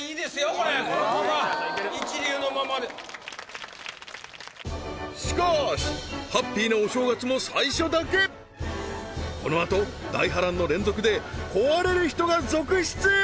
これこのまま一流のままでしかーしハッピーなお正月も最初だけこのあと壊れる人が続出！